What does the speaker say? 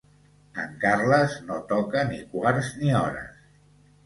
En Carles no toca ni quarts ni hores.